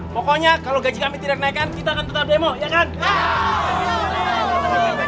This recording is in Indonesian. pokoknya kalau gaji kami tidak dinaikkan kita akan tetap demo ya kan